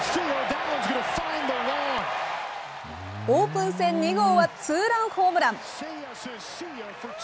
オープン戦２号はツーランホームラン。